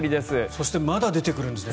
そしてまだ出てくるんですね。